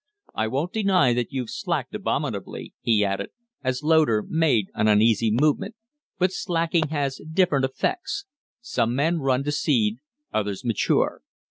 I won't deny that you've slacked abominably," he added, as Loder made an uneasy movement, "but slacking has different effects. Some men run to seed, others mature.